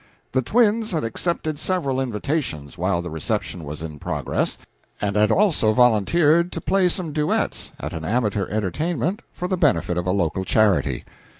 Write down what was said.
The twins had accepted several invitations while the reception was in progress, and had also volunteered to play some duets at an amateur entertainment for the benefit of a local charity.